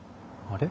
あれ？